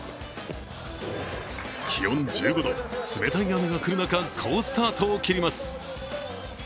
気温１５度、冷たい雨が降る中、好スタートを切ります。